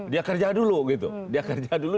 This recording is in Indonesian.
dia kerja dulu gitu dia kerja dulu